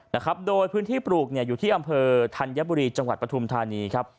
นะครับโดยพื้นที่ปลูกเนี่ยอยู่ที่อำเภอธัญบุรีจังหวัดปฐุมธานีครับ